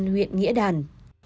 huyện nghĩa đàn